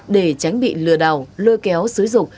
để tránh bị lừa đảo lôi kéo xứ dục